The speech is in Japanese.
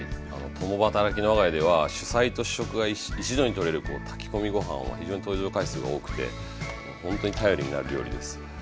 共働きの我が家では主菜と主食が一度にとれる炊き込みご飯は非常に登場回数が多くてほんとに頼りになる料理です。